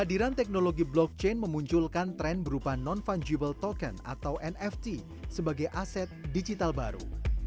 kehadiran teknologi blockchain memunculkan tren berupa non fungible token atau nft sebagai aset digital baru